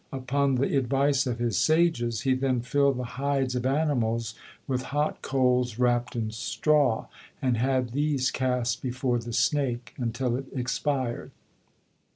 Upon the advice of his sages, he then filled the hides of animals with hot coals wrapped in straw, and had these cast before the snake until it expired.